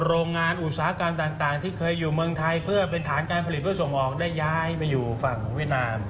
โรงงานอุตสาหกรรมต่างที่เคยอยู่เมืองไทยเพื่อเป็นฐานการผลิตเพื่อส่งออกได้ย้ายไปอยู่ฝั่งเวียดนาม